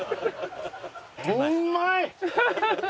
うまい！